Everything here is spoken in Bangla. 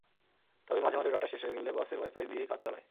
তবে মাঝে মাঝে ডাটা শেষ হয়ে গেলে বাসের ওয়াই-ফাই দিয়েই কাজ চালাই।